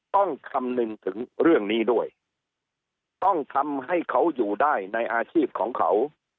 คำนึงถึงเรื่องนี้ด้วยต้องทำให้เขาอยู่ได้ในอาชีพของเขา